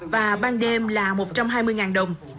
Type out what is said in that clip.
và ban đêm là một trăm hai mươi đồng